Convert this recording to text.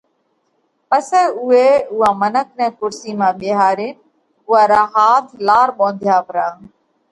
پسئہ اُوئي اُوئا منک نئہ ڪُرسِي مانه ٻيهارينَ اُوئا را هاٿ لار ٻونڌيا پرا